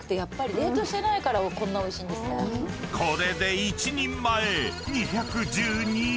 ［これで１人前２１２円］